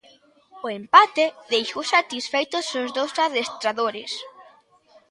O empate deixou satisfeitos os dous adestradores.